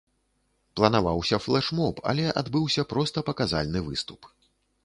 Планаваўся флэш-моб, але адбыўся проста паказальны выступ.